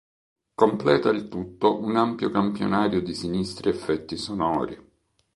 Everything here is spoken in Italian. Completa il tutto un ampio campionario di sinistri effetti sonori.